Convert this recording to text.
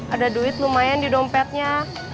ada duit lumayan di dompetnya